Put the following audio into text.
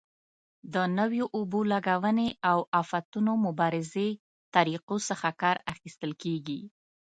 د نویو اوبه لګونې او آفتونو مبارزې طریقو څخه کار اخیستل کېږي.